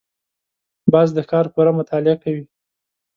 باز د ښکار پوره مطالعه کوي